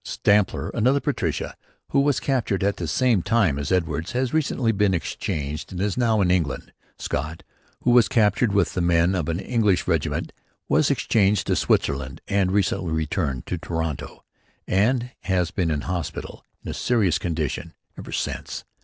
Stamper, another Patricia who was captured at the same time as Edwards, has recently been exchanged and is now in England. Scott, who was captured with the men of an English regiment, was exchanged to Switzerland and recently returned to Toronto and has been in hospital, in a serious condition, ever since.